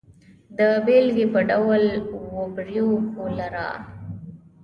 د بېلګې په ډول وبریو کولرا.